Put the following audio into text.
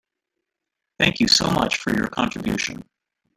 Thank you so much for your contribution.